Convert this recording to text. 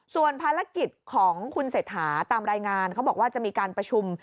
ส่วนภารกิจของคุณเศรษฐาตามรายงานเขาบอกว่าจะมีการประชุม